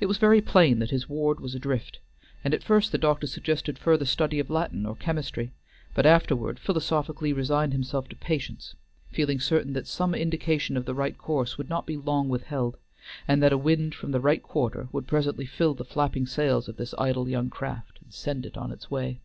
It was very plain that his ward was adrift, and at first the doctor suggested farther study of Latin or chemistry, but afterward philosophically resigned himself to patience, feeling certain that some indication of the right course would not be long withheld, and that a wind from the right quarter would presently fill the flapping sails of this idle young craft and send it on its way.